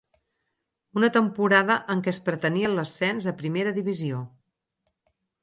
Una temporada en què es pretenia l'ascens a primera divisió.